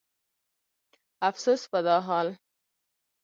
افسوس په دا حال